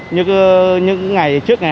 như những ngày trước ngày hai mươi